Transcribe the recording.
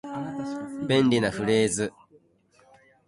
便利なフレーズ